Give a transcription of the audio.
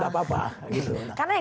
karena yang dulu di deklarasi